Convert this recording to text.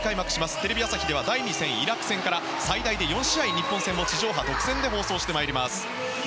テレビ朝日系列ではイラク戦から最大で４試合の日本戦を地上波で独占放送してまいります。